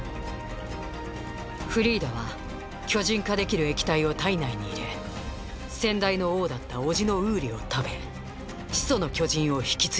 フリーダは巨人化できる液体を体内に入れ先代の王だった叔父のウーリを食べ「始祖の巨人」を引き継ぎました。